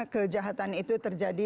kejahatan itu terjadi